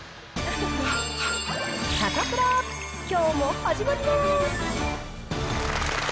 サタプラ、きょうも始まります。